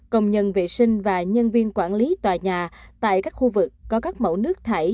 công nhân vệ sinh và nhân viên quản lý tòa nhà tại các khu vực có các mẫu nước thải